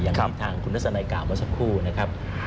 อย่างทางหุ่นฤทธิศาสนาญกาวนก็สักครู่นะครับ